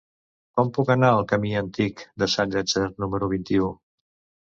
Com puc anar al camí Antic de Sant Llàtzer número vint-i-u?